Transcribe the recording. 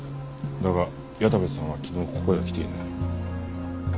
だが矢田部さんは昨日ここへは来ていない。